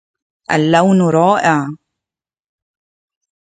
اللّون رائع.